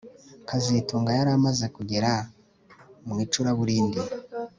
kazitunga yari amaze kugera mu icuraburindi